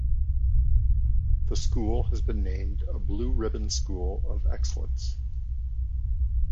The school has been named a Blue Ribbon School of Excellence.